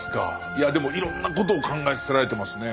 いやでもいろんなことを考えさせられてますね。